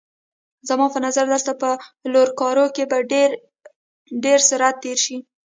زما په نظر دلته په لوکارنو کې به دې ډېر ساعت تېر شي.